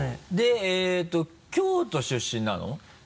で京都出身なの？